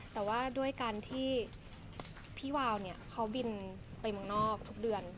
แต่ว่าด้วยการที่พี่วาวเนี่ยเขาบินไปเมืองนอกทุกเดือน